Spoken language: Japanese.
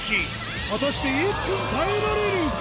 果たして１分耐えられるか？